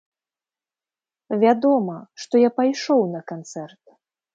Вядома, што я пайшоў на канцэрт!